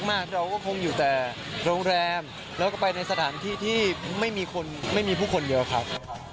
มากเราก็คงอยู่แต่โรงแรมแล้วก็ไปในสถานที่ที่ไม่มีคนไม่มีผู้คนเยอะครับ